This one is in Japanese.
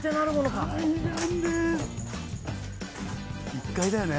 １階だよね？